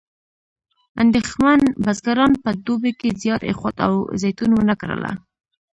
اندېښمن بزګران په دوبي کې زیار ایښود او زیتون ونه کرله.